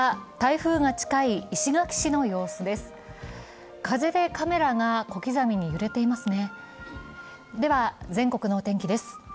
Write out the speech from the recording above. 風でカメラが小刻みに揺れていますね。